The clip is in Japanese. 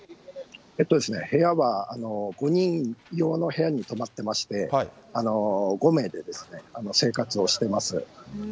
部屋は、５人用の部屋に泊まってまして、５名で生活をしてます。